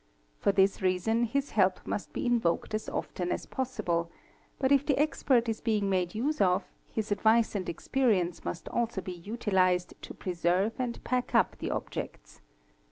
or this reason his help must be invoked as often as possible; but if the expert is being made use of, his advice and experience must also be utilised to preserve and pack up the _ objects.